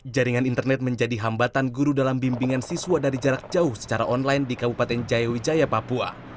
jaringan internet menjadi hambatan guru dalam bimbingan siswa dari jarak jauh secara online di kabupaten jayawijaya papua